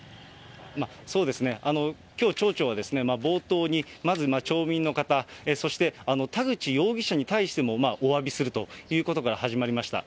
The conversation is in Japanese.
きょう、町長は冒頭に、まず町民の方、そして田口容疑者に対してもおわびするということから始まりました。